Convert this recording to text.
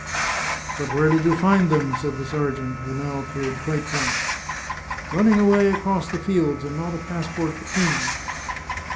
" But where did you find them ?" said the sergeant, who now appeared quite drunk. " Running away across the fields, and not a passport be tween them